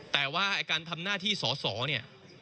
แต่ว่าการทำหน้าที่สอสอเนี่ย